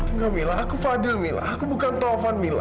enggak mila aku fadil mila aku bukan taufan mila